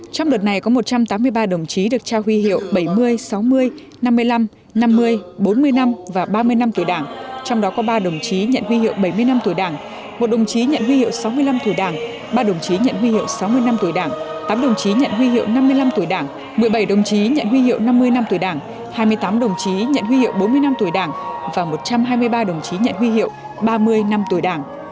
trong đợt này có một trăm tám mươi ba đồng chí được trao huy hiệu bảy mươi sáu mươi năm mươi năm năm mươi bốn mươi năm và ba mươi năm tuổi đảng trong đó có ba đồng chí nhận huy hiệu bảy mươi năm tuổi đảng một đồng chí nhận huy hiệu sáu mươi năm tuổi đảng ba đồng chí nhận huy hiệu sáu mươi năm tuổi đảng tám đồng chí nhận huy hiệu năm mươi năm tuổi đảng một mươi bảy đồng chí nhận huy hiệu năm mươi năm tuổi đảng hai mươi tám đồng chí nhận huy hiệu bốn mươi năm tuổi đảng và một trăm hai mươi ba đồng chí nhận huy hiệu ba mươi năm tuổi đảng